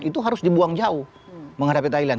itu harus dibuang jauh menghadapi thailand